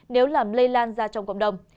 nếu làm lây lan ra trong cộng đồng